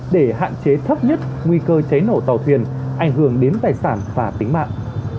để hạn chế thấp nhất nguy cơ cháy nổ tàu thuyền ảnh hưởng đến tài sản và tính mạng